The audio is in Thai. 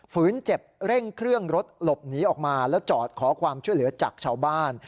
เจ็บเร่งเครื่องรถหลบหนีออกมาแล้วจอดขอความช่วยเหลือจากชาวบ้าน